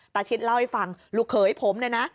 ตาชิดเล่าให้ฟังลูกเคยผมนะนะ